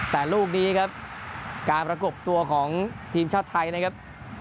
แต่ลูกนี้ครับการประกบตัวของทีมชาติไทยนะครับ